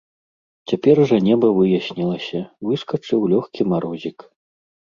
Цяпер жа неба выяснілася, выскачыў лёгкі марозік.